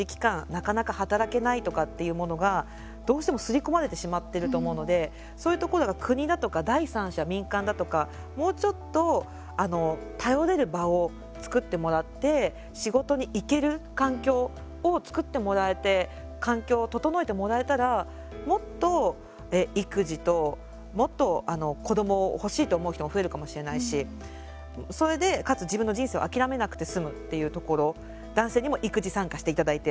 なかなか働けないとかっていうものがどうしても刷り込まれてしまっていると思うのでそういうところを国だとか第三者、民間だとかもうちょっと頼れる場を作ってもらって仕事に行ける環境を作ってもらえて環境を整えてもらえたらもっと育児ともっと子どもを欲しいと思う人も増えるかもしれないしそれで、かつ自分の人生を諦めなくて済むっていうところ男性にも育児参加していただいて。